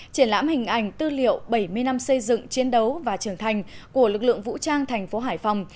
triển lãm hình ảnh tư liệu bảy mươi năm xây dựng chiến đấu và trưởng thành của lực lượng vũ trang thành phố hải phòng